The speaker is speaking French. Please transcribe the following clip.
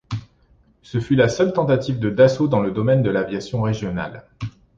Ce fut la seule tentative de Dassault dans le domaine de l'aviation régionale.